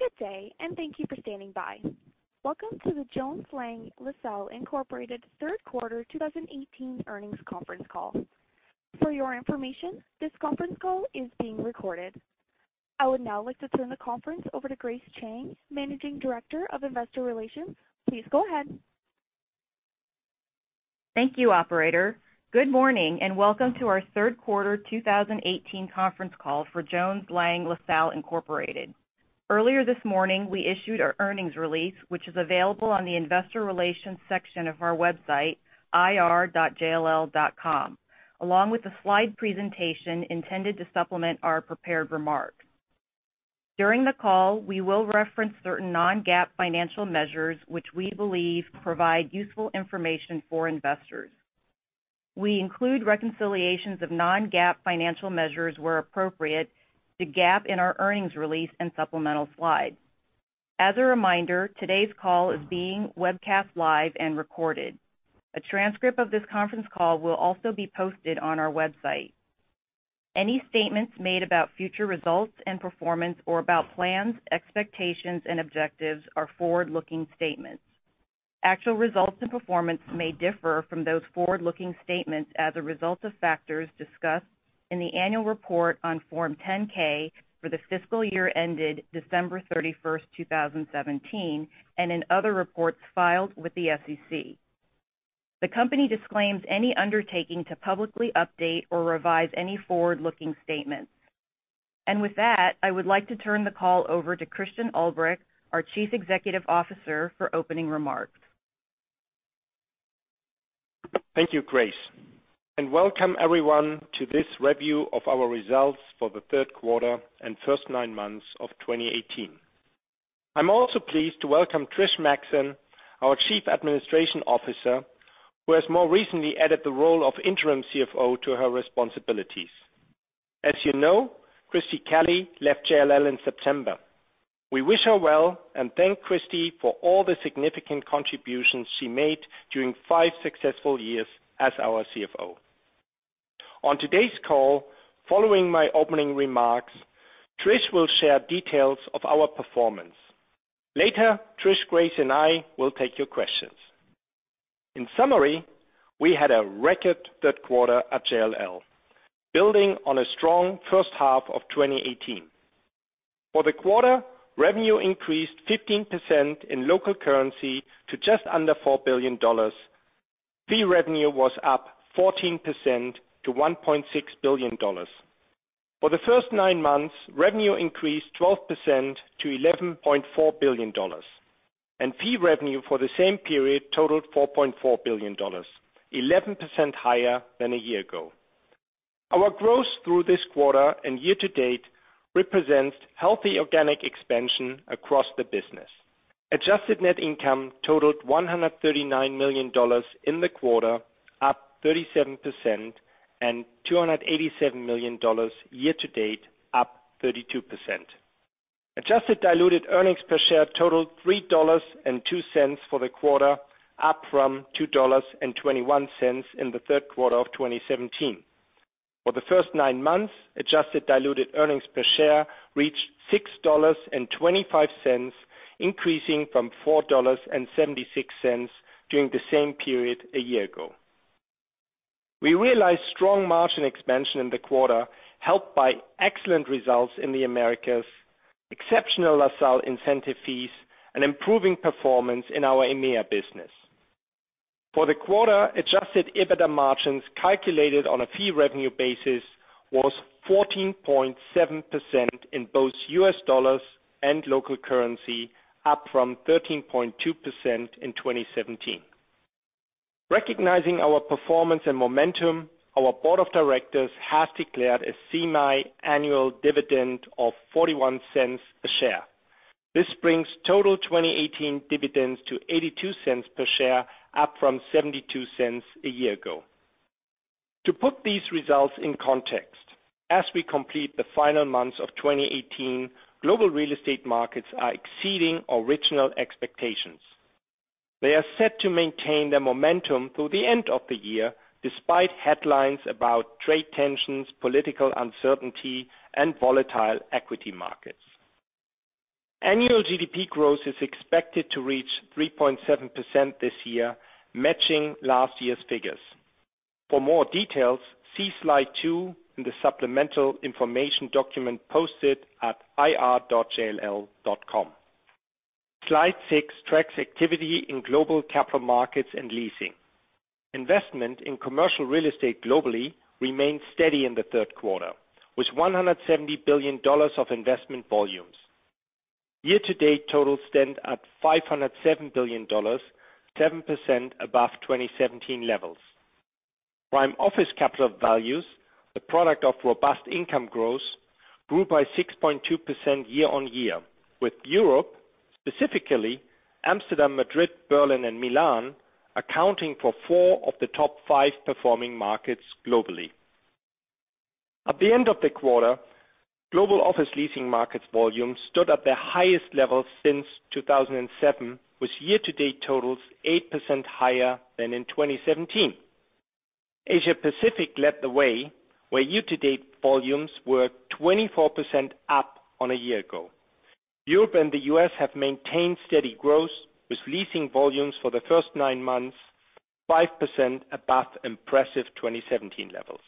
Good day. Thank you for standing by. Welcome to the Jones Lang LaSalle Incorporated third quarter 2018 earnings conference call. For your information, this conference call is being recorded. I would now like to turn the conference over to Grace Chang, Managing Director of Investor Relations. Please go ahead. Thank you, operator. Good morning. Welcome to our third quarter 2018 conference call for Jones Lang LaSalle Incorporated. Earlier this morning, we issued our earnings release, which is available on the investor relations section of our website, ir.jll.com, along with the slide presentation intended to supplement our prepared remarks. During the call, we will reference certain non-GAAP financial measures, which we believe provide useful information for investors. We include reconciliations of non-GAAP financial measures where appropriate to GAAP in our earnings release and supplemental slides. As a reminder, today's call is being webcast live and recorded. A transcript of this conference call will also be posted on our website. Any statements made about future results and performance or about plans, expectations, and objectives are forward-looking statements. Actual results and performance may differ from those forward-looking statements as a result of factors discussed in the annual report on Form 10-K for the fiscal year ended December 31st, 2017, and in other reports filed with the SEC. The company disclaims any undertaking to publicly update or revise any forward-looking statements. With that, I would like to turn the call over to Christian Ulbrich, our Chief Executive Officer, for opening remarks. Thank you, Grace. Welcome, everyone, to this review of our results for the third quarter and first nine months of 2018. I am also pleased to welcome Trish Maxson, our Chief Administration Officer, who has more recently added the role of interim CFO to her responsibilities. As you know, Christie Kelly left JLL in September. We wish her well and thank Christie for all the significant contributions she made during five successful years as our CFO. On today's call, following my opening remarks, Trish will share details of our performance. Later, Trish, Grace, and I will take your questions. In summary, we had a record third quarter at JLL, building on a strong first half of 2018. For the quarter, revenue increased 15% in local currency to just under $4 billion. Fee revenue was up 14% to $1.6 billion. For the first nine months, revenue increased 12% to $11.4 billion, and fee revenue for the same period totaled $4.4 billion, 11% higher than a year ago. Our growth through this quarter and year to date represents healthy organic expansion across the business. Adjusted net income totaled $139 million in the quarter, up 37%, and $287 million year to date, up 32%. Adjusted diluted earnings per share totaled $3.02 for the quarter, up from $2.21 in the third quarter of 2017. For the first nine months, adjusted diluted earnings per share reached $6.25, increasing from $4.76 during the same period a year ago. We realized strong margin expansion in the quarter, helped by excellent results in the Americas, exceptional LaSalle incentive fees, and improving performance in our EMEA business. For the quarter, adjusted EBITDA margins calculated on a fee revenue basis was 14.7% in both U.S. dollars and local currency, up from 13.2% in 2017. Recognizing our performance and momentum, our board of directors has declared a semiannual dividend of $0.41 a share. This brings total 2018 dividends to $0.82 per share, up from $0.72 a year ago. To put these results in context, as we complete the final months of 2018, global real estate markets are exceeding original expectations. They are set to maintain their momentum through the end of the year, despite headlines about trade tensions, political uncertainty, and volatile equity markets. Annual GDP growth is expected to reach 3.7% this year, matching last year's figures. For more details, see slide two in the supplemental information document posted at ir.jll.com. Slide six tracks activity in global capital markets and leasing. Investment in commercial real estate globally remained steady in the third quarter, with $170 billion of investment volumes. Year to date totals stand at $507 billion, 7% above 2017 levels. Prime office capital values, the product of robust income growth, grew by 6.2% year-on-year, with Europe, specifically Amsterdam, Madrid, Berlin, and Milan, accounting for four of the top five performing markets globally. At the end of the quarter, global office leasing markets volume stood at their highest level since 2007, with year to date totals 8% higher than in 2017. Asia Pacific led the way, where year-to-date volumes were 24% up on a year ago. Europe and the U.S. have maintained steady growth, with leasing volumes for the first nine months 5% above impressive 2017 levels.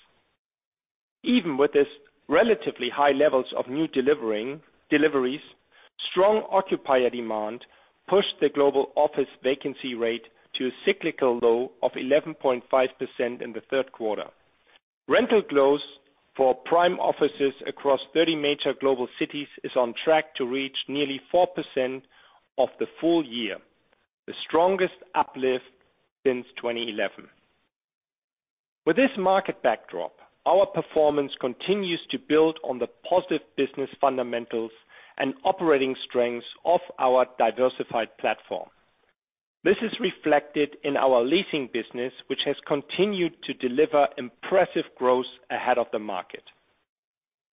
Even with these relatively high levels of new deliveries, strong occupier demand pushed the global office vacancy rate to a cyclical low of 11.5% in the third quarter. Rental growth for prime offices across 30 major global cities is on track to reach nearly 4% of the full year, the strongest uplift since 2011. With this market backdrop, our performance continues to build on the positive business fundamentals and operating strengths of our diversified platform. This is reflected in our leasing business, which has continued to deliver impressive growth ahead of the market.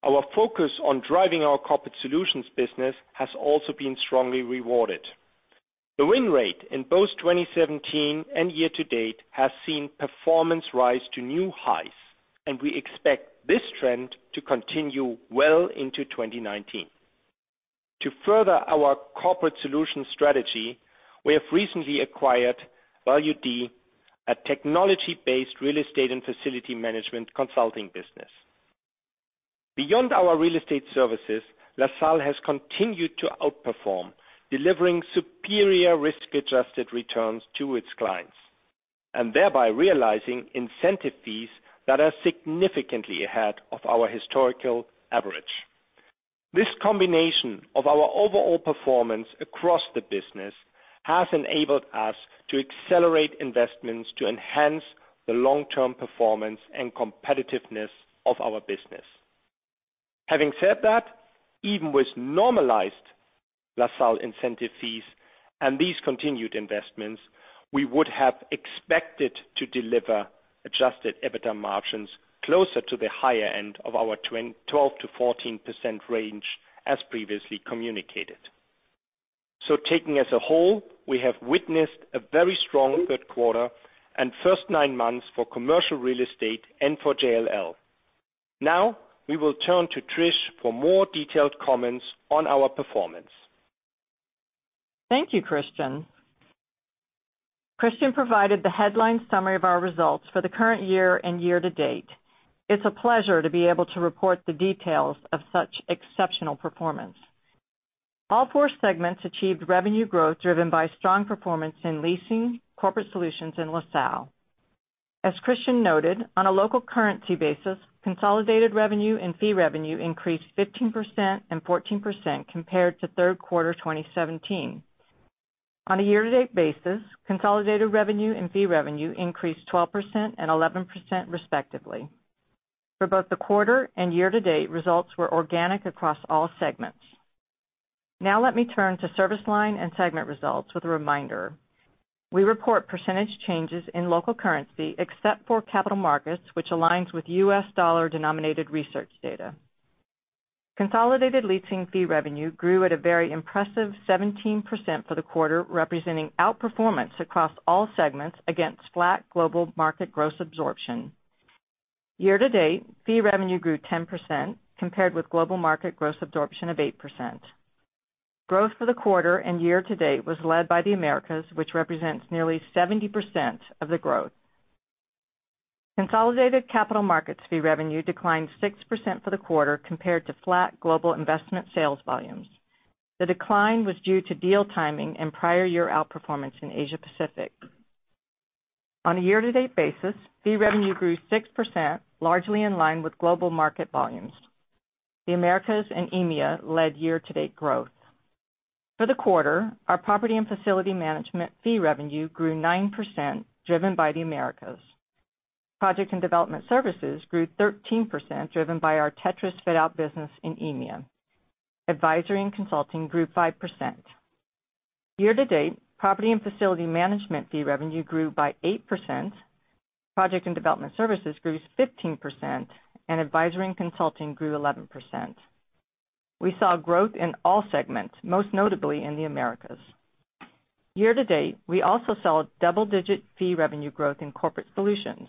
Our focus on driving our corporate solutions business has also been strongly rewarded. The win rate in both 2017 and year-to-date has seen performance rise to new highs, and we expect this trend to continue well into 2019. To further our corporate solutions strategy, we have recently acquired ValuD, a technology-based real estate and facility management consulting business. Beyond our real estate services, LaSalle has continued to outperform, delivering superior risk-adjusted returns to its clients, and thereby realizing incentive fees that are significantly ahead of our historical average. This combination of our overall performance across the business has enabled us to accelerate investments to enhance the long-term performance and competitiveness of our business. Having said that, even with normalized LaSalle incentive fees and these continued investments, we would have expected to deliver adjusted EBITDA margins closer to the higher end of our 12%-14% range as previously communicated. Taking as a whole, we have witnessed a very strong third quarter and first nine months for commercial real estate and for JLL. Now, we will turn to Trish for more detailed comments on our performance. Thank you, Christian. Christian provided the headline summary of our results for the current year and year-to-date. It's a pleasure to be able to report the details of such exceptional performance. All four segments achieved revenue growth driven by strong performance in leasing, corporate solutions, and LaSalle. As Christian noted, on a local currency basis, consolidated revenue and fee revenue increased 15% and 14% compared to third quarter 2017. On a year-to-date basis, consolidated revenue and fee revenue increased 12% and 11% respectively. For both the quarter and year-to-date, results were organic across all segments. Now let me turn to service line and segment results with a reminder. We report percentage changes in local currency except for capital markets, which aligns with U.S. dollar denominated research data. Consolidated leasing fee revenue grew at a very impressive 17% for the quarter, representing outperformance across all segments against flat global market gross absorption. Year to date, fee revenue grew 10%, compared with global market gross absorption of 8%. Growth for the quarter and year to date was led by the Americas, which represents nearly 70% of the growth. Consolidated capital markets fee revenue declined 6% for the quarter compared to flat global investment sales volumes. The decline was due to deal timing and prior year outperformance in Asia Pacific. On a year-to-date basis, fee revenue grew 6%, largely in line with global market volumes. The Americas and EMEA led year-to-date growth. For the quarter, our property and facility management fee revenue grew 9%, driven by the Americas. Project and development services grew 13%, driven by our Tétris fit-out business in EMEA. Advisory and consulting grew 5%. Year to date, property and facility management fee revenue grew by 8%, project and development services grew 15%, and advisory and consulting grew 11%. We saw growth in all segments, most notably in the Americas. Year to date, we also saw double-digit fee revenue growth in corporate solutions.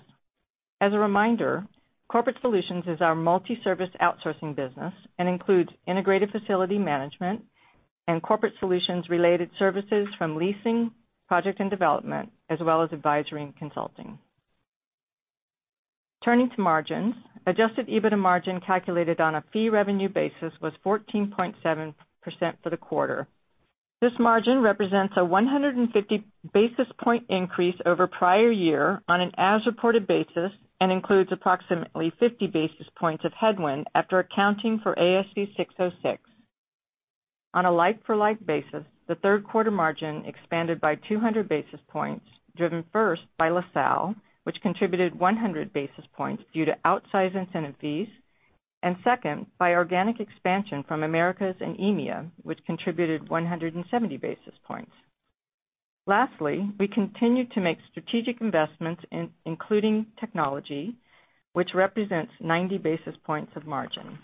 As a reminder, Corporate Solutions is our multi-service outsourcing business and includes integrated facility management and corporate solutions-related services from leasing, project and development, as well as advisory and consulting. Turning to margins, adjusted EBITDA margin calculated on a fee revenue basis was 14.7% for the quarter. This margin represents a 150 basis point increase over prior year on an as-reported basis and includes approximately 50 basis points of headwind after accounting for ASC 606. On a like-for-like basis, the third quarter margin expanded by 200 basis points, driven first by LaSalle, which contributed 100 basis points due to outsized incentive fees, and second, by organic expansion from Americas and EMEA, which contributed 170 basis points. Lastly, we continued to make strategic investments including technology, which represents 90 basis points of margin.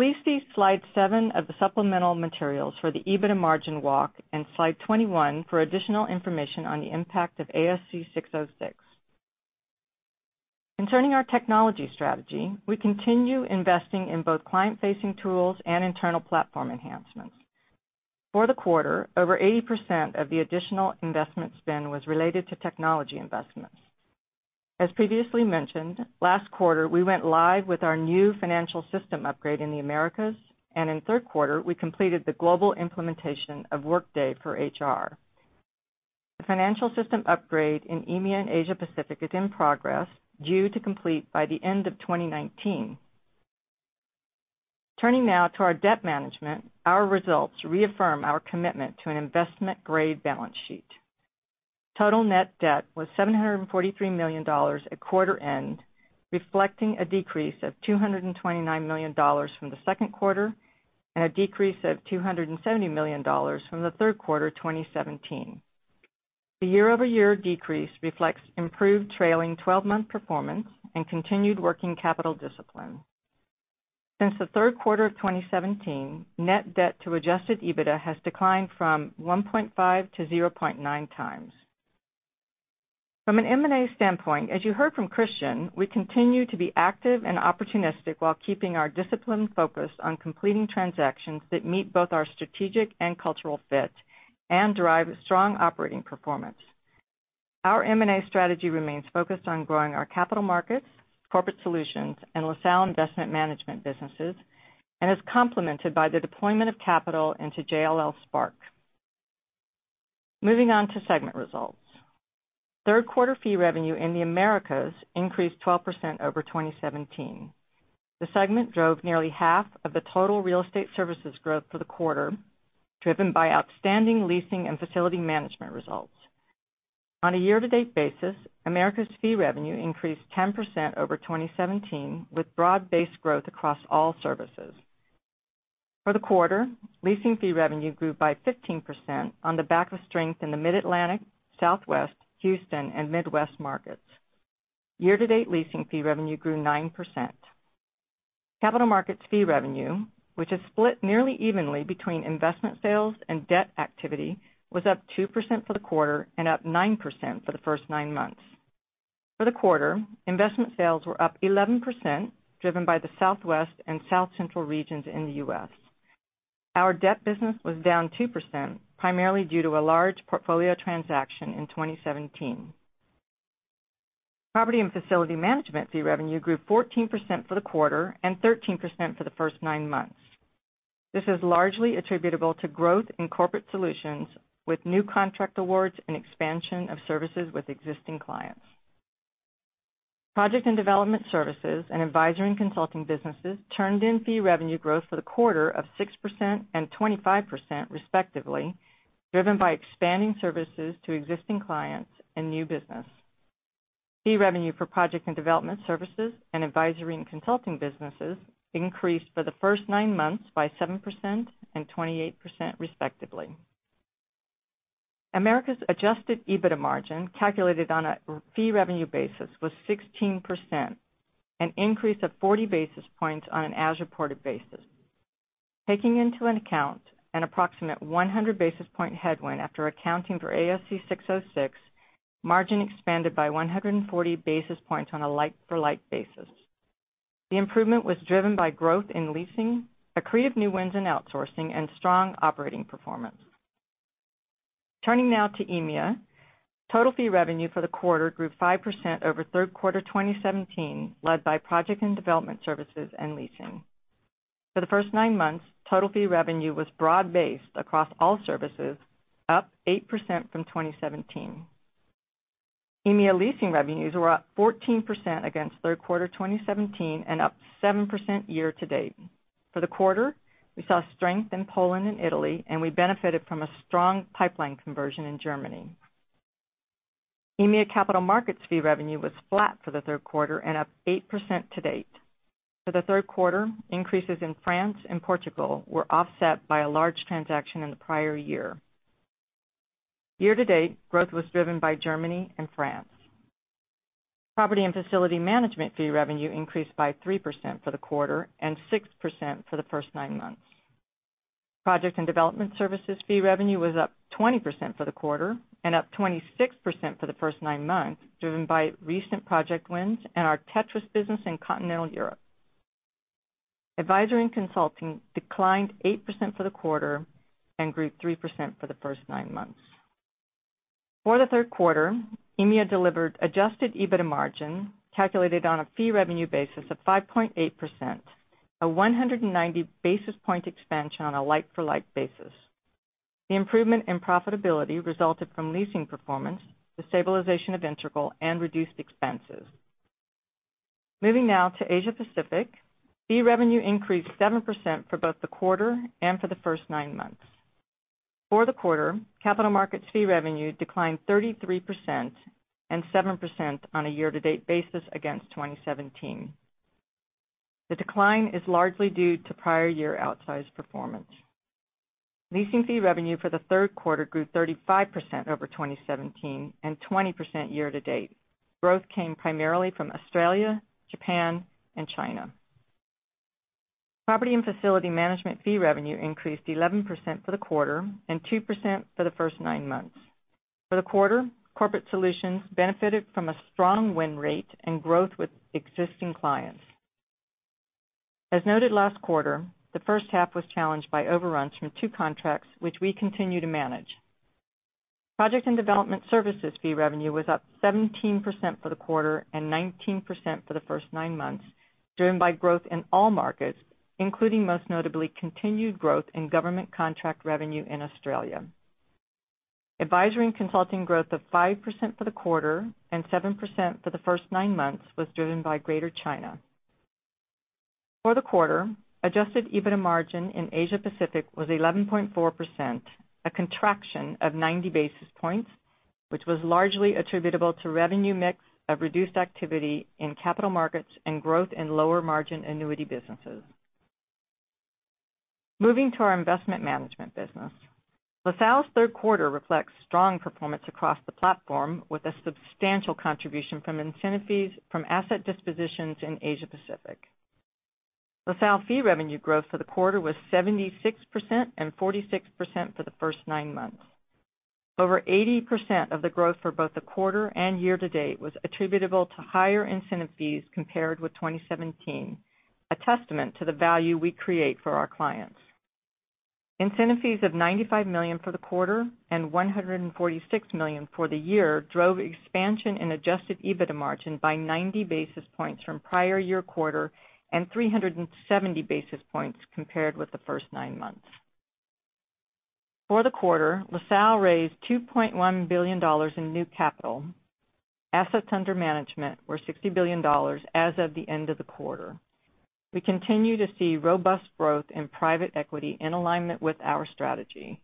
Please see slide seven of the supplemental materials for the EBITDA margin walk and slide 21 for additional information on the impact of ASC 606. Concerning our technology strategy, we continue investing in both client-facing tools and internal platform enhancements. For the quarter, over 80% of the additional investment spend was related to technology investments. As previously mentioned, last quarter, we went live with our new financial system upgrade in the Americas, and in the third quarter, we completed the global implementation of Workday for HR. The financial system upgrade in EMEA and Asia Pacific is in progress, due to complete by the end of 2019. Turning now to our debt management. Our results reaffirm our commitment to an investment-grade balance sheet. Total net debt was $743 million at quarter end, reflecting a decrease of $229 million from the second quarter and a decrease of $270 million from the third quarter 2017. The year-over-year decrease reflects improved trailing 12-month performance and continued working capital discipline. Since the third quarter of 2017, net debt to adjusted EBITDA has declined from 1.5 to 0.9 times. From an M&A standpoint, as you heard from Christian, we continue to be active and opportunistic while keeping our discipline focused on completing transactions that meet both our strategic and cultural fit and derive strong operating performance. Our M&A strategy remains focused on growing our capital markets, corporate solutions, and LaSalle Investment Management businesses and is complemented by the deployment of capital into JLL Spark. Moving on to segment results. Third-quarter fee revenue in the Americas increased 12% over 2017. The segment drove nearly half of the total real estate services growth for the quarter, driven by outstanding leasing and facility management results. On a year-to-date basis, Americas fee revenue increased 10% over 2017, with broad-based growth across all services. For the quarter, leasing fee revenue grew by 15% on the back of strength in the Mid-Atlantic, Southwest, Houston, and Midwest markets. Year-to-date leasing fee revenue grew 9%. Capital markets fee revenue, which is split nearly evenly between investment sales and debt activity, was up 2% for the quarter and up 9% for the first nine months. For the quarter, investment sales were up 11%, driven by the Southwest and South Central regions in the U.S. Our debt business was down 2%, primarily due to a large portfolio transaction in 2017. Property and facility management fee revenue grew 14% for the quarter and 13% for the first nine months. This is largely attributable to growth in corporate solutions, with new contract awards and expansion of services with existing clients. Project and development services and advisory and consulting businesses turned in fee revenue growth for the quarter of 6% and 25%, respectively, driven by expanding services to existing clients and new business. Fee revenue for project and development services and advisory and consulting businesses increased for the first nine months by 7% and 28%, respectively. Americas' adjusted EBITDA margin, calculated on a fee revenue basis, was 16%, an increase of 40 basis points on an as-reported basis. Taking into account an approximate 100-basis point headwind after accounting for ASC 606, margin expanded by 140 basis points on a like-for-like basis. The improvement was driven by growth in leasing, accretive new wins in outsourcing, and strong operating performance. Turning now to EMEA. Total fee revenue for the quarter grew 5% over the third quarter of 2017, led by project and development services and leasing. For the first nine months, total fee revenue was broad-based across all services, up 8% from 2017. EMEA leasing revenues were up 14% against the third quarter of 2017 and up 7% year to date. For the quarter, we saw strength in Poland and Italy, and we benefited from a strong pipeline conversion in Germany. EMEA capital markets fee revenue was flat for the third quarter and up 8% to date. For the third quarter, increases in France and Portugal were offset by a large transaction in the prior year. Year to date, growth was driven by Germany and France. Property and facility management fee revenue increased by 3% for the quarter and 6% for the first nine months. Project and development services fee revenue was up 20% for the quarter and up 26% for the first nine months, driven by recent project wins and our Tétris business in Continental Europe. Advisory and consulting declined 8% for the quarter and grew 3% for the first nine months. For the third quarter, EMEA delivered adjusted EBITDA margin calculated on a fee revenue basis of 5.8%, a 190-basis point expansion on a like-for-like basis. The improvement in profitability resulted from leasing performance, the stabilization of Integral, and reduced expenses. Moving now to Asia Pacific. Fee revenue increased 7% for both the quarter and for the first nine months. For the quarter, capital markets fee revenue declined 33% and 7% on a year-to-date basis against 2017. The decline is largely due to prior year outsized performance. Leasing fee revenue for the third quarter grew 35% over 2017 and 20% year to date. Growth came primarily from Australia, Japan, and China. Property and facility management fee revenue increased 11% for the quarter and 2% for the first nine months. For the quarter, corporate solutions benefited from a strong win rate and growth with existing clients. As noted last quarter, the first half was challenged by overruns from two contracts, which we continue to manage. Project and development services fee revenue was up 17% for the quarter and 19% for the first nine months, driven by growth in all markets, including most notably, continued growth in government contract revenue in Australia. Advisory and consulting growth of 5% for the quarter and 7% for the first nine months was driven by Greater China. For the quarter, adjusted EBITDA margin in Asia Pacific was 11.4%, a contraction of 90 basis points, which was largely attributable to revenue mix of reduced activity in capital markets and growth in lower margin annuity businesses. Moving to our investment management business. LaSalle's third quarter reflects strong performance across the platform with a substantial contribution from incentive fees from asset dispositions in Asia Pacific. LaSalle fee revenue growth for the quarter was 76% and 46% for the first nine months. Over 80% of the growth for both the quarter and year to date was attributable to higher incentive fees compared with 2017, a testament to the value we create for our clients. Incentive fees of $95 million for the quarter and $146 million for the year drove expansion in adjusted EBITDA margin by 90 basis points from prior year quarter and 370 basis points compared with the first nine months. For the quarter, LaSalle raised $2.1 billion in new capital. Assets under management were $60 billion as of the end of the quarter. We continue to see robust growth in private equity in alignment with our strategy.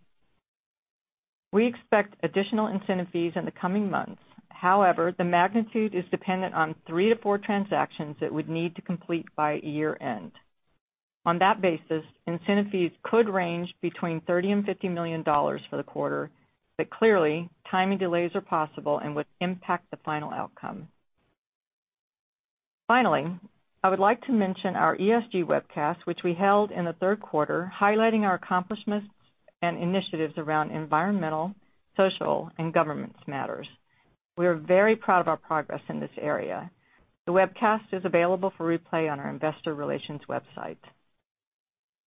We expect additional incentive fees in the coming months. The magnitude is dependent on three to four transactions that would need to complete by year end. Incentive fees could range between $30 million and $50 million for the quarter, but clearly, timing delays are possible and would impact the final outcome. I would like to mention our ESG webcast, which we held in the third quarter, highlighting our accomplishments and initiatives around environmental, social, and governance matters. We are very proud of our progress in this area. The webcast is available for replay on our investor relations website.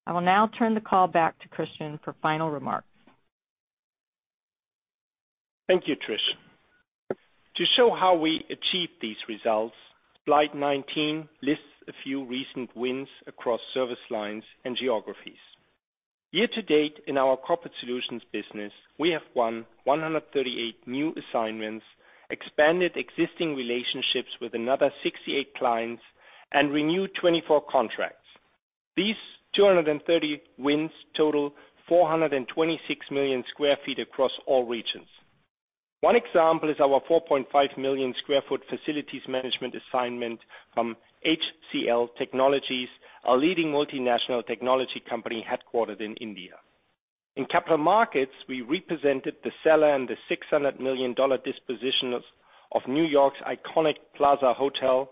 I will now turn the call back to Christian for final remarks. Thank you, Trish. To show how we achieved these results, slide 19 lists a few recent wins across service lines and geographies. Year to date in our corporate solutions business, we have won 138 new assignments, expanded existing relationships with another 68 clients and renewed 24 contracts. These 230 wins total 426 million square feet across all regions. One example is our 4.5 million square foot facilities management assignment from HCL Technologies, a leading multinational technology company headquartered in India. In capital markets, we represented the seller in the $600 million disposition of New York's iconic Plaza Hotel,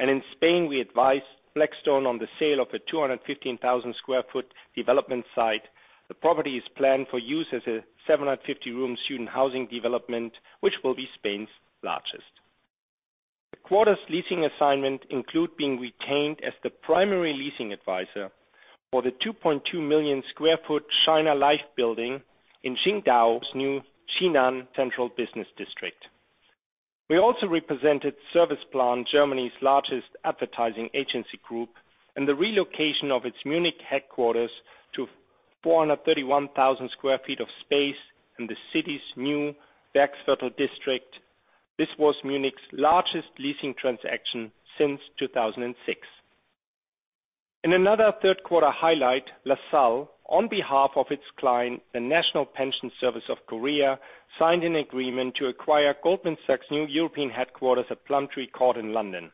and in Spain, we advised Blackstone on the sale of a 215,000 square foot development site. The property is planned for use as a 750-room student housing development, which will be Spain's largest. The quarter's leasing assignment include being retained as the primary leasing advisor for the 2.2 million square foot China Life building in Qingdao's new Jinan central business district. We also represented Serviceplan, Germany's largest advertising agency group, in the relocation of its Munich headquarters to 431,000 square feet of space in the city's new Werksviertel district. This was Munich's largest leasing transaction since 2006. In another third quarter highlight, LaSalle, on behalf of its client, the National Pension Service of Korea, signed an agreement to acquire Goldman Sachs' new European headquarters at Plumtree Court in London.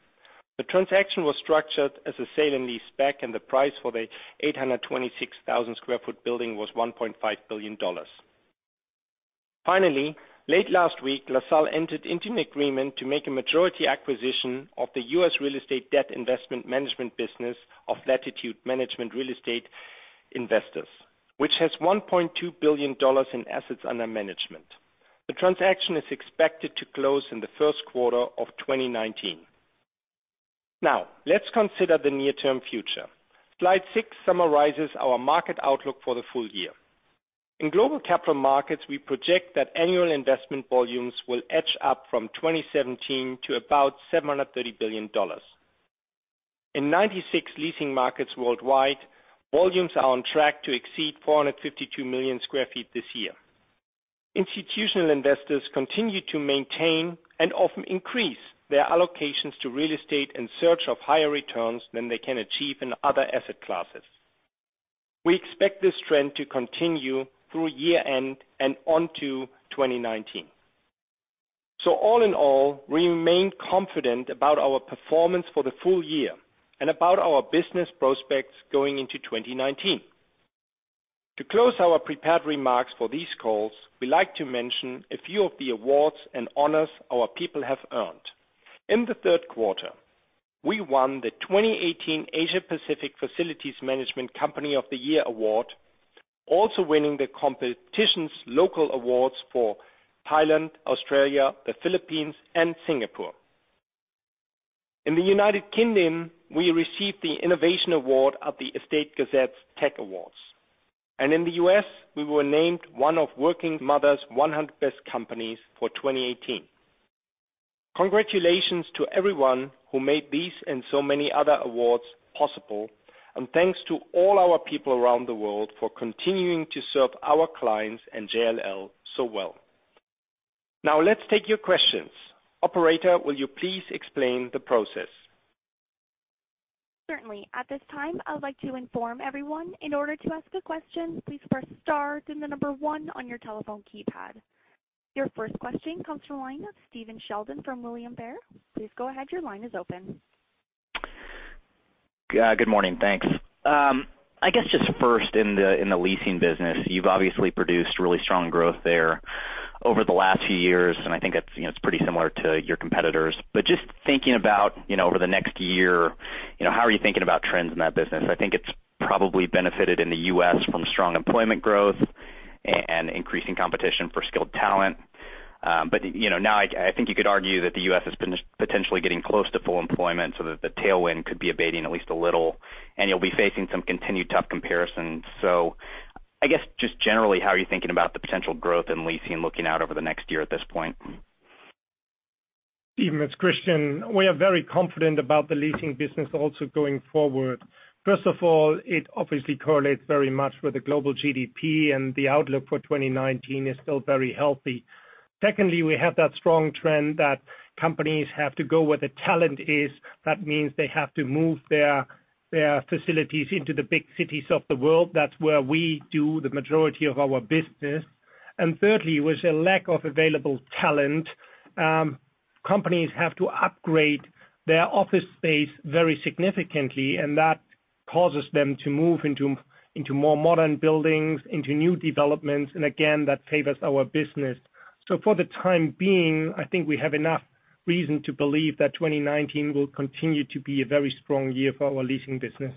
The transaction was structured as a sale and lease back, the price for the 826,000 square foot building was $1.5 billion. Finally, late last week, LaSalle entered into an agreement to make a majority acquisition of the U.S. real estate debt investment management business of Latitude Management Real Estate Investors, which has $1.2 billion in assets under management. The transaction is expected to close in the first quarter of 2019. Now, let's consider the near-term future. Slide six summarizes our market outlook for the full year. In global capital markets, we project that annual investment volumes will edge up from 2017 to about $730 billion. In 96 leasing markets worldwide, volumes are on track to exceed 452 million sq ft this year. Institutional investors continue to maintain and often increase their allocations to real estate in search of higher returns than they can achieve in other asset classes. We expect this trend to continue through year end and into 2019. So all in all, we remain confident about our performance for the full year and about our business prospects going into 2019. To close our prepared remarks for these calls, we like to mention a few of the awards and honors our people have earned. In the third quarter, we won the 2018 Asia Pacific Facilities Management Company of the Year Award, also winning the competition's local awards for Thailand, Australia, the Philippines, and Singapore. In the U.K., we received the Innovation Award at the Estates Gazette's Tech Awards. In the U.S., we were named one of Working Mother's 100 Best Companies for 2018. Congratulations to everyone who made these and so many other awards possible, and thanks to all our people around the world for continuing to serve our clients and JLL so well. Now let's take your questions. Operator, will you please explain the process? Certainly. At this time, I would like to inform everyone, in order to ask a question, please press star and the number 1 on your telephone keypad. Your first question comes from the line of Stephen Sheldon from William Blair. Please go ahead, your line is open. Good morning, thanks. I guess just first in the leasing business. You've obviously produced really strong growth there over the last few years, and I think it's pretty similar to your competitors, but just thinking about over the next year, how are you thinking about trends in that business? I think it's probably benefited in the U.S. from strong employment growth and increasing competition for skilled talent. Now I think you could argue that the U.S. is potentially getting close to full employment so that the tailwind could be abating at least a little, and you'll be facing some continued tough comparisons. I guess just generally, how are you thinking about the potential growth in leasing looking out over the next year at this point? Stephen, it's Christian. We are very confident about the leasing business also going forward. First of all, it obviously correlates very much with the global GDP, and the outlook for 2019 is still very healthy. Secondly, we have that strong trend that companies have to go where the talent is. That means they have to move their facilities into the big cities of the world. That's where we do the majority of our business. Thirdly, with a lack of available talent, companies have to upgrade their office space very significantly, and that causes them to move into more modern buildings, into new developments, and again, that favors our business. For the time being, I think we have enough reason to believe that 2019 will continue to be a very strong year for our leasing business.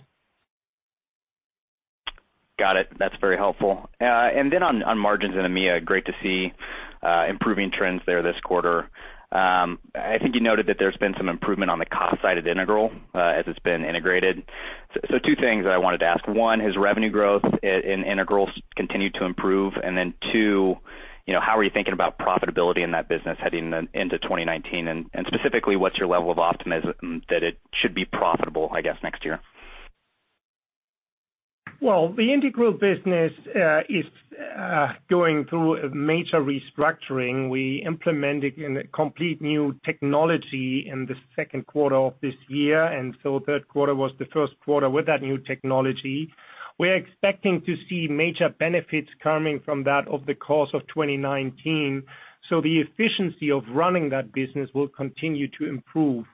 Got it. That's very helpful. On margins in EMEA, great to see improving trends there this quarter. I think you noted that there's been some improvement on the cost side of Integral as it's been integrated. Two things that I wanted to ask. One, has revenue growth in Integral continued to improve? Two, how are you thinking about profitability in that business heading into 2019? Specifically, what's your level of optimism that it should be profitable, I guess, next year? The Integral business is going through a major restructuring. We implemented a complete new technology in the second quarter of this year, third quarter was the first quarter with that new technology. We are expecting to see major benefits coming from that over the course of 2019. The efficiency of running that business will continue to improve.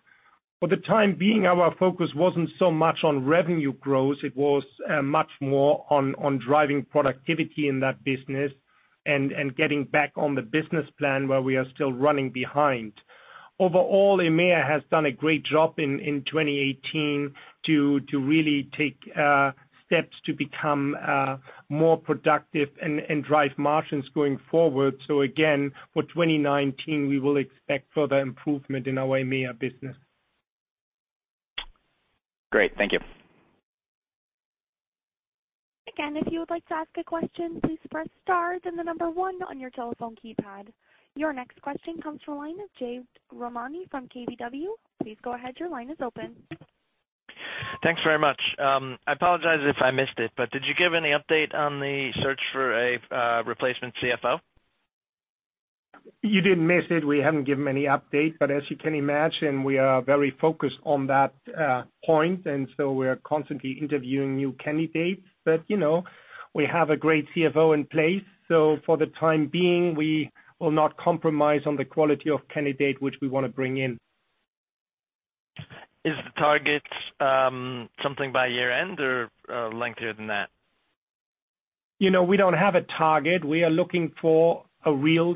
For the time being, our focus wasn't so much on revenue growth, it was much more on driving productivity in that business and getting back on the business plan where we are still running behind. Overall, EMEA has done a great job in 2018 to really take steps to become more productive and drive margins going forward. Again, for 2019, we will expect further improvement in our EMEA business. Great. Thank you. If you would like to ask a question, please press star, then the number 1 on your telephone keypad. Your next question comes from the line of Jade Rahmani from KBW. Please go ahead, your line is open. Thanks very much. I apologize if I missed it, did you give any update on the search for a replacement CFO? You didn't miss it. We haven't given any update, as you can imagine, we are very focused on that point, we are constantly interviewing new candidates. We have a great CFO in place, for the time being, we will not compromise on the quality of candidate which we want to bring in. Is the target something by year-end or lengthier than that? We don't have a target. We are looking for a real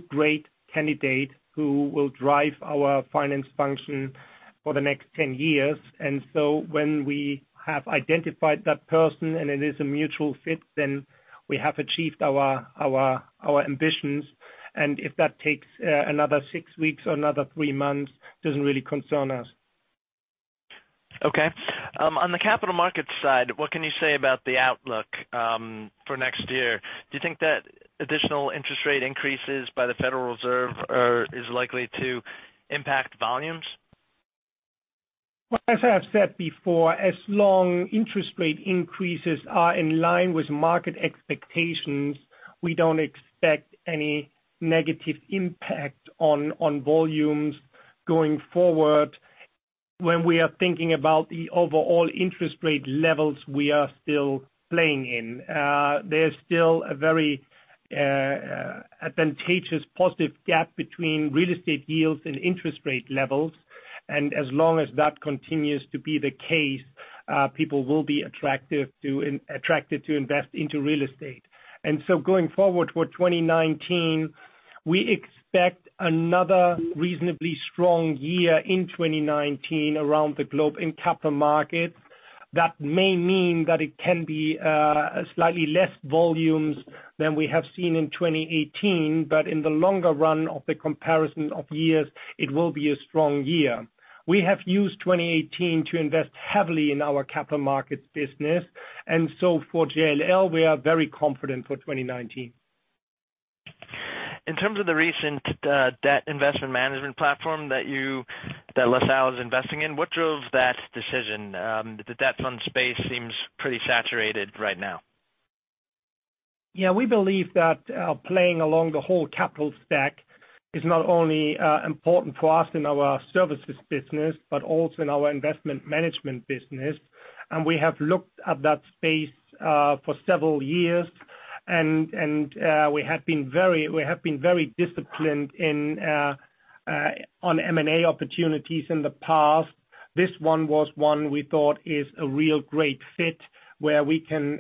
great candidate who will drive our finance function for the next 10 years. When we have identified that person and it is a mutual fit, we have achieved our ambitions. If that takes another six weeks or another three months, doesn't really concern us. Okay. On the capital markets side, what can you say about the outlook for next year? Do you think that additional interest rate increases by the Federal Reserve is likely to impact volumes? Well, as I have said before, as long interest rate increases are in line with market expectations, we don't expect any negative impact on volumes going forward. When we are thinking about the overall interest rate levels we are still playing in. There's still a very advantageous positive gap between real estate yields and interest rate levels. As long as that continues to be the case, people will be attracted to invest into real estate. Going forward for 2019, we expect another reasonably strong year in 2019 around the globe in capital markets. That may mean that it can be slightly less volumes than we have seen in 2018, in the longer run of the comparison of years, it will be a strong year. We have used 2018 to invest heavily in our capital markets business. For JLL, we are very confident for 2019. In terms of the recent debt investment management platform that LaSalle is investing in, what drove that decision? The debt fund space seems pretty saturated right now. Yeah. We believe that playing along the whole capital stack is not only important for us in our services business but also in our investment management business. We have looked at that space for several years, and we have been very disciplined on M&A opportunities in the past. This one was one we thought is a real great fit where we can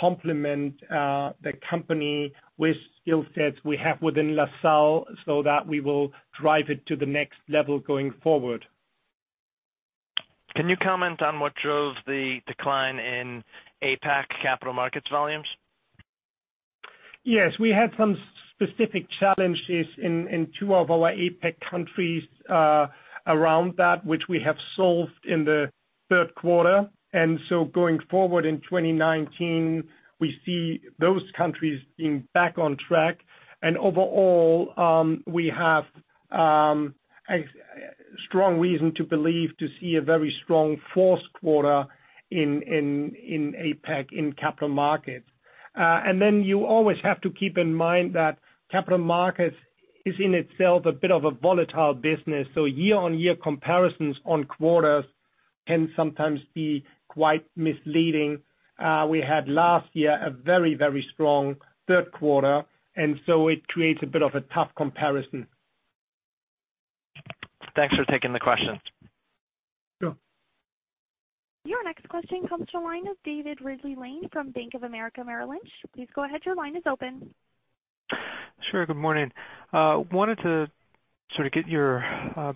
complement the company with skill sets we have within LaSalle that we will drive it to the next level going forward. Can you comment on what drove the decline in APAC capital markets volumes? Yes. We had some specific challenges in two of our APAC countries around that, which we have solved in the third quarter. Going forward in 2019, we see those countries being back on track. Overall, we have a strong reason to believe to see a very strong fourth quarter in APAC in capital markets. You always have to keep in mind that capital markets is in itself a bit of a volatile business, so year-on-year comparisons on quarters can sometimes be quite misleading. We had last year a very strong third quarter, and so it creates a bit of a tough comparison. Thanks for taking the question. Sure. Your next question comes to the line of David Ridley-Lane from Bank of America Merrill Lynch. Please go ahead, your line is open. Sure. Good morning. Wanted to sort of get your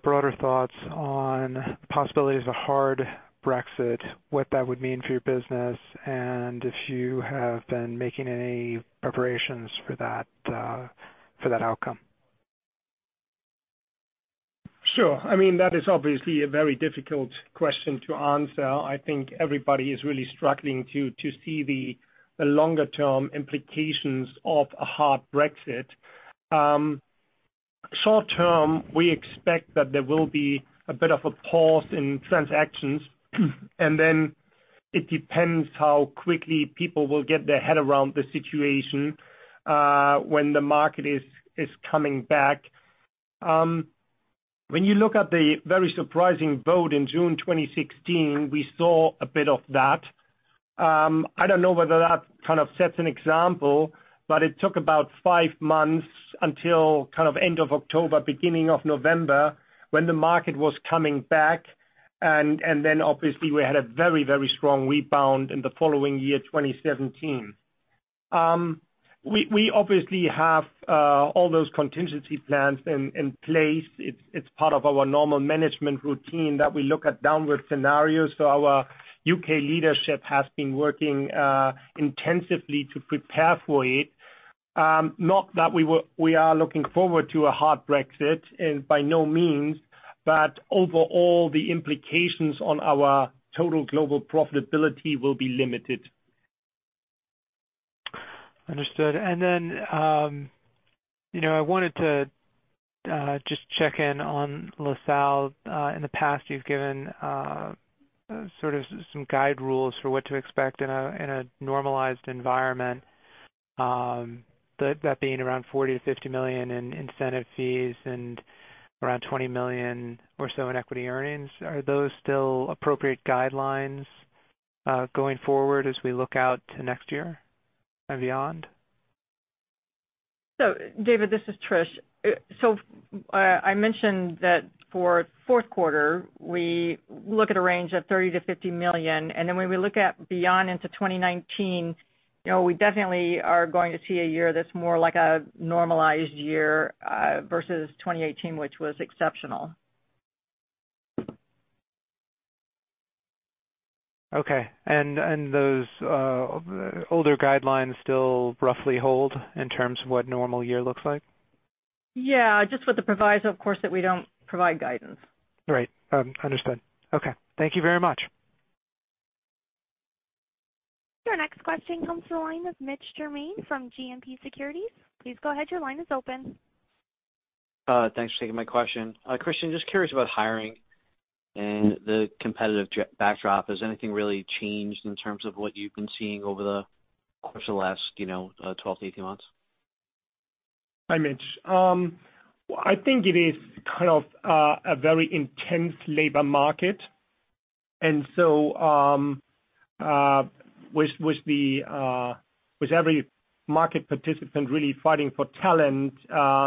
broader thoughts on the possibility of a hard Brexit, what that would mean for your business, and if you have been making any preparations for that outcome. Sure. That is obviously a very difficult question to answer. I think everybody is really struggling to see the longer-term implications of a hard Brexit. Short term, we expect that there will be a bit of a pause in transactions. Then it depends how quickly people will get their head around the situation when the market is coming back. When you look at the very surprising vote in June 2016, we saw a bit of that. I don't know whether that kind of sets an example, but it took about five months until end of October, beginning of November, when the market was coming back. Then obviously we had a very strong rebound in the following year, 2017. We obviously have all those contingency plans in place. It's part of our normal management routine that we look at downward scenarios. Our U.K. leadership has been working intensively to prepare for it. Not that we are looking forward to a hard Brexit, by no means. Overall, the implications on our total global profitability will be limited. Understood. I wanted to just check in on LaSalle. In the past, you've given sort of some guide rules for what to expect in a normalized environment. That being around $40 million-$50 million in incentive fees and around $20 million or so in equity earnings. Are those still appropriate guidelines going forward as we look out to next year and beyond? David, this is Trish. I mentioned that for fourth quarter, we look at a range of $30 million-$50 million. When we look at beyond into 2019, we definitely are going to see a year that's more like a normalized year versus 2018, which was exceptional. Okay. Those older guidelines still roughly hold in terms of what a normal year looks like? Yeah. Just with the proviso, of course, that we don't provide guidance. Right. Understood. Okay. Thank you very much. Your next question comes to the line of Mitch Germain from JMP Securities. Please go ahead, your line is open. Thanks for taking my question. Christian, just curious about hiring and the competitive backdrop. Has anything really changed in terms of what you've been seeing over the course of the last 12 to 18 months? Hi, Mitch. It is kind of a very intense labor market. With every market participant really fighting for talent,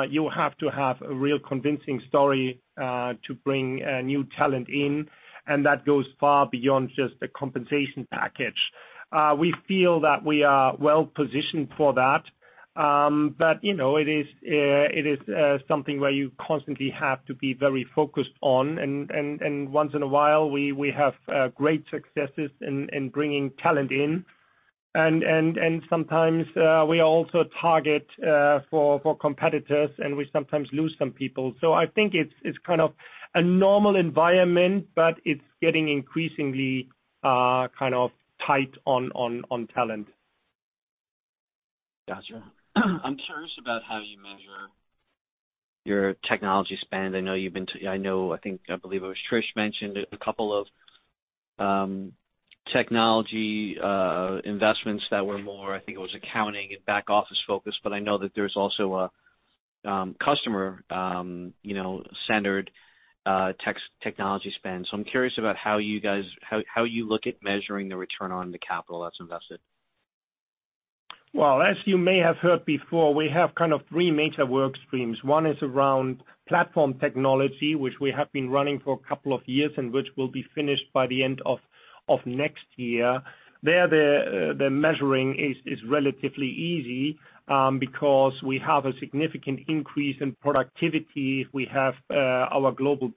you have to have a real convincing story to bring new talent in, and that goes far beyond just the compensation package. We feel that we are well-positioned for that. It is something where you constantly have to be very focused on. Once in a while we have great successes in bringing talent in, and sometimes we are also a target for competitors, and we sometimes lose some people. I think it's kind of a normal environment, but it's getting increasingly tight on talent. Got you. I'm curious about how you measure your technology spend. I believe it was Trish mentioned a couple of technology investments that were more, I think it was accounting and back office-focused. I know that there's also a customer-centered technology spend. I'm curious about how you look at measuring the return on the capital that's invested. Well, as you may have heard before, we have kind of three major work streams. One is around platform technology, which we have been running for a couple of years, and which will be finished by the end of next year. There, the measuring is relatively easy because we have a significant increase in productivity. We have our global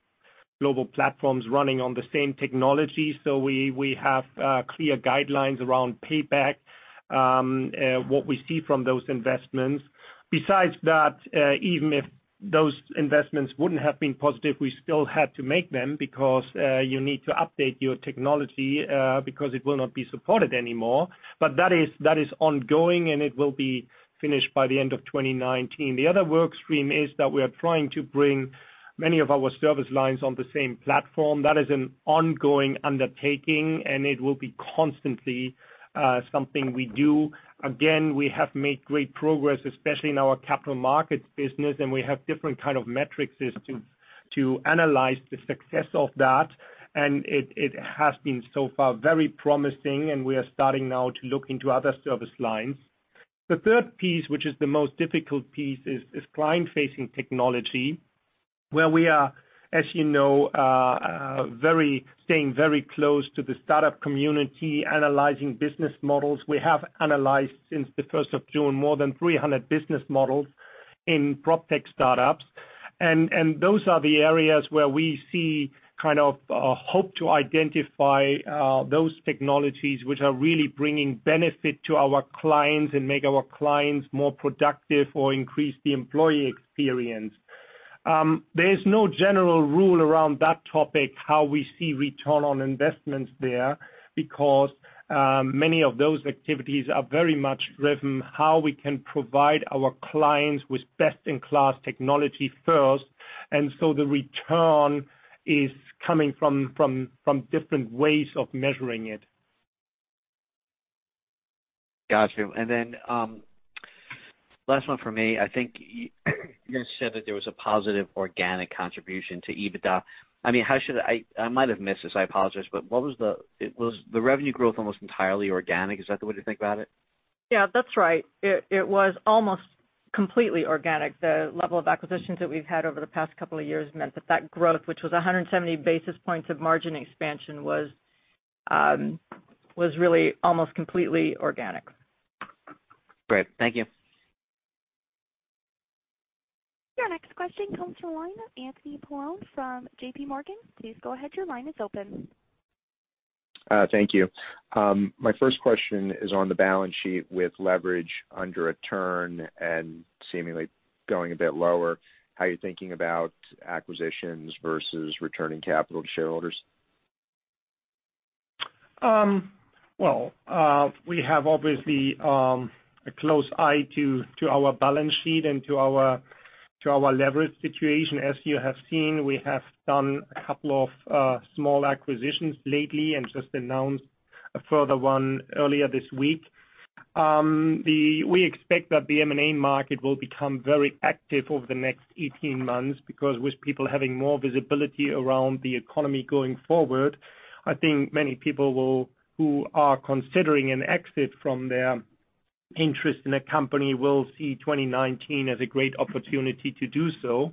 platforms running on the same technology, we have clear guidelines around payback, what we see from those investments. Besides that, even if those investments wouldn't have been positive, we still had to make them because you need to update your technology because it will not be supported anymore. That is ongoing, and it will be finished by the end of 2019. The other work stream is that we are trying to bring many of our service lines on the same platform. That is an ongoing undertaking, it will be constantly something we do. Again, we have made great progress, especially in our capital markets business, we have different kind of metrics to analyze the success of that. It has been so far very promising, we are starting now to look into other service lines. The third piece, which is the most difficult piece, is client-facing technology, where we are, as you know staying very close to the startup community, analyzing business models. We have analyzed since the 1st of June, more than 300 business models in proptech startups. Those are the areas where we see kind of a hope to identify those technologies which are really bringing benefit to our clients and make our clients more productive or increase the employee experience. There is no general rule around that topic, how we see return on investments there, because many of those activities are very much driven how we can provide our clients with best-in-class technology first. The return is coming from different ways of measuring it. Got you. Last one from me. I think you guys said that there was a positive organic contribution to EBITDA. I might have missed this, I apologize, but was the revenue growth almost entirely organic? Is that the way to think about it? Yeah, that's right. It was almost completely organic. The level of acquisitions that we've had over the past couple of years meant that growth, which was 170 basis points of margin expansion, was really almost completely organic. Great. Thank you. Your next question comes from the line of Anthony Paolone from JPMorgan. Please go ahead, your line is open. Thank you. My first question is on the balance sheet with leverage under a turn and seemingly going a bit lower, how you're thinking about acquisitions versus returning capital to shareholders. We have obviously a close eye to our balance sheet and to our leverage situation. As you have seen, we have done a couple of small acquisitions lately and just announced a further one earlier this week. We expect that the M&A market will become very active over the next 18 months because with people having more visibility around the economy going forward, I think many people who are considering an exit from their interest in a company will see 2019 as a great opportunity to do so.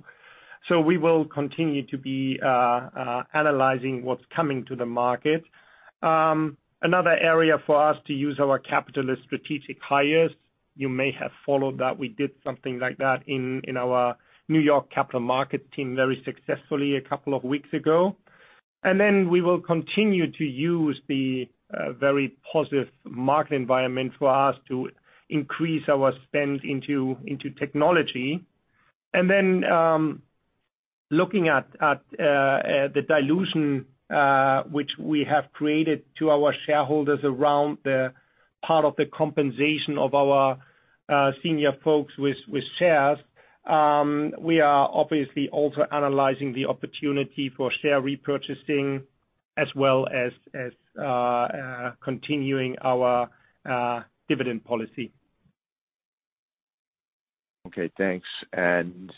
We will continue to be analyzing what's coming to the market. Another area for us to use our capital is strategic hires. You may have followed that we did something like that in our New York capital market team very successfully a couple of weeks ago. We will continue to use the very positive market environment for us to increase our spend into technology. Looking at the dilution which we have created to our shareholders around the part of the compensation of our senior folks with shares, we are obviously also analyzing the opportunity for share repurchasing as well as continuing our dividend policy.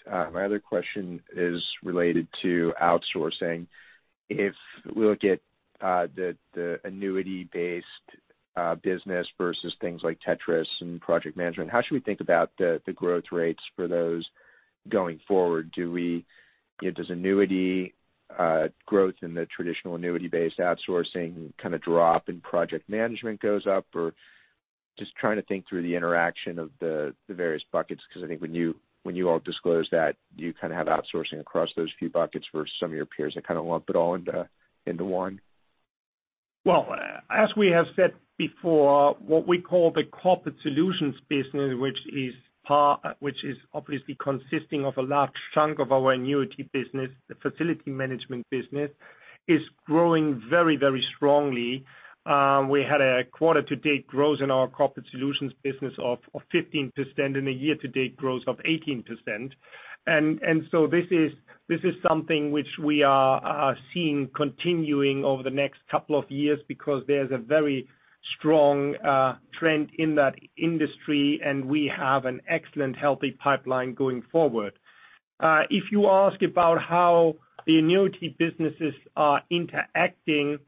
My other question is related to outsourcing. If we look at the annuity-based business versus things like Tétris and project management, how should we think about the growth rates for those going forward? Does annuity growth in the traditional annuity-based outsourcing kind of drop and project management goes up? Just trying to think through the interaction of the various buckets, because I think when you all disclose that, you kind of have outsourcing across those few buckets for some of your peers that kind of lump it all into one. As we have said before, what we call the corporate solutions business, which is obviously consisting of a large chunk of our annuity business, the facility management business, is growing very, very strongly. We had a quarter to date growth in our corporate solutions business of 15% and a year to date growth of 18%. This is something which we are seeing continuing over the next couple of years because there's a very strong trend in that industry, and we have an excellent, healthy pipeline going forward. If you ask about how the annuity businesses are interacting,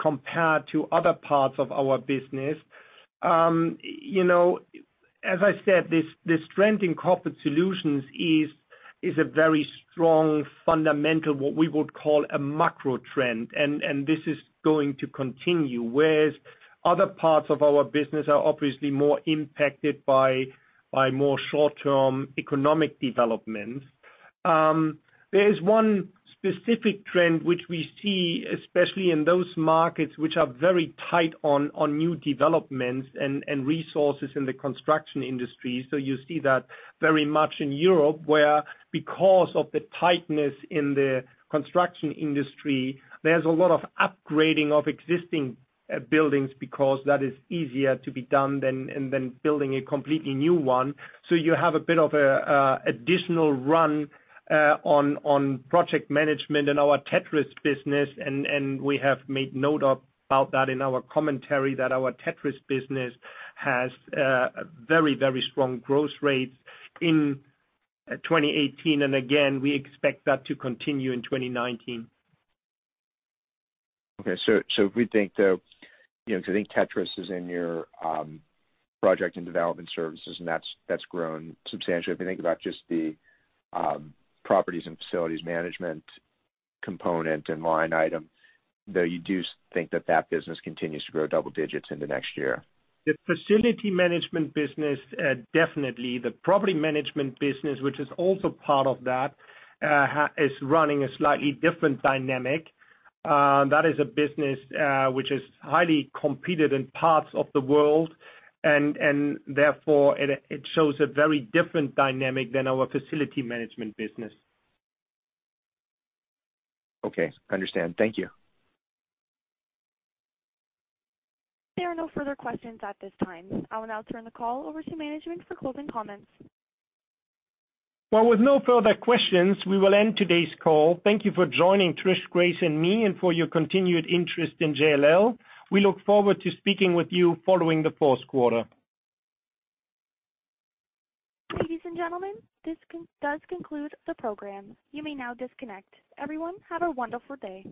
compared to other parts of our business, as I said, this trend in corporate solutions is a very strong fundamental, what we would call a macro trend, and this is going to continue, whereas other parts of our business are obviously more impacted by more short-term economic developments. There is one specific trend which we see, especially in those markets which are very tight on new developments and resources in the construction industry. You see that very much in Europe, where because of the tightness in the construction industry, there's a lot of upgrading of existing buildings because that is easier to be done than building a completely new one. You have a bit of additional run on project management and our Tétris business, and we have made note about that in our commentary that our Tétris business has very, very strong growth rates in 2018. Again, we expect that to continue in 2019. Okay, if we think though, because I think Tétris is in your project and development services, and that's grown substantially. If you think about just the properties and facilities management component and line item, though you do think that that business continues to grow double digits into next year? The facility management business, definitely. The property management business, which is also part of that, is running a slightly different dynamic. That is a business which is highly competed in parts of the world, and therefore it shows a very different dynamic than our facility management business. Okay, understand. Thank you. There are no further questions at this time. I will now turn the call over to management for closing comments. Well, with no further questions, we will end today's call. Thank you for joining Trish, Grace, and me, and for your continued interest in JLL. We look forward to speaking with you following the fourth quarter. Ladies and gentlemen, this does conclude the program. You may now disconnect. Everyone, have a wonderful day.